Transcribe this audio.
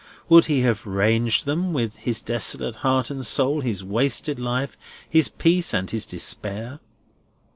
Would he have ranged them with his desolate heart and soul, his wasted life, his peace and his despair?